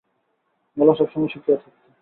গলা সবসময় শুকিয়ে থাকত!